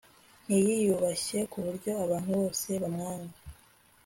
Ntiyiyubashye kuburyo abantu bose bamwanga